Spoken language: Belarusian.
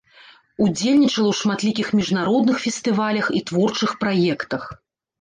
Удзельнічала ў шматлікіх міжнародных фестывалях і творчых праектах.